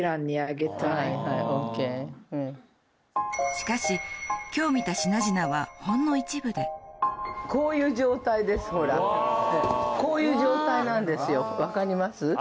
しかし今日見た品々はほんの一部でほらこういう状態なんですよ分かります？